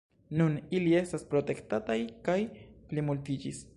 Nun ili estas protektataj kaj plimultiĝis.